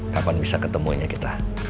kapan bisa ketemunya kita